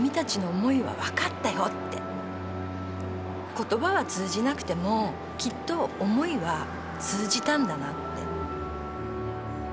言葉は通じなくてもきっと思いは通じたんだなって。